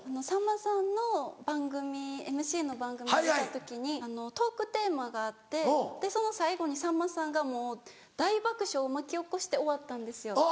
さんまさんの番組ＭＣの番組に出た時にトークテーマがあってその最後にさんまさんがもう大爆笑を巻き起こして終わったんですよ。